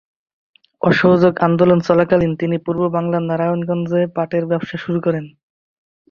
অসহযোগ আন্দোলন চলাকালীন তিনি পূর্ববাংলার নারায়ণগঞ্জে পাটের ব্যবসা শুরু করেন।